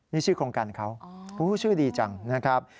นี่ชื่อโครงการเขาชื่อดีจังนะครับ